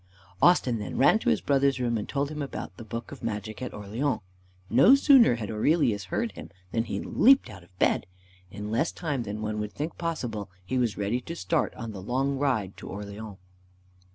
Austin then ran to his brother's room and told him about the book of magic at Orleans. No sooner had Aurelius heard him than he leapt out of bed. In less time than one would think possible he was ready to start on the long ride to Orleans.